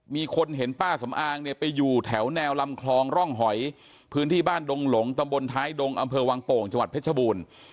มีคนเห็นป้าสำอางเนี่ยไปอยู่แถวแนวลำคลองร่องหอยพื้นที่บ้านดงหลงตำบลท้ายดงอำเภอวังโป่งจังหวัดเพชรบูรณ์